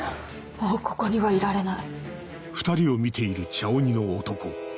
もうここにはいられない。